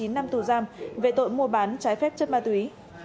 một mươi chín năm tù giam về tội mua bán trái phép chất ma túy